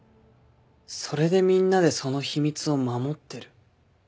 それでみんなでその秘密を守ってる。